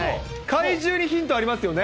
怪獣にヒントありますよね？